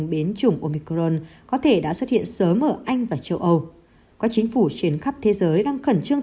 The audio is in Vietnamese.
biến chủng omicron có thể đã xuất hiện sớm ở anh và châu âu quá chính phủ trên khắp thế giới đang